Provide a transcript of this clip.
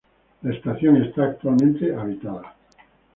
La estación está actualmente habitada.